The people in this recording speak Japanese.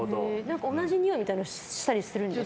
同じにおいみたいなしたりするんですか？